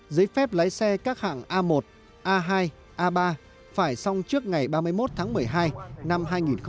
giấy phép lái xe các hạng a một a hai a ba phải xong trước ngày ba mươi một tháng một mươi hai năm hai nghìn hai mươi